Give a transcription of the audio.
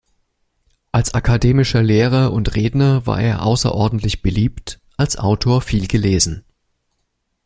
Als akademischer Lehrer und Redner war er außerordentlich beliebt, als Autor viel gelesen.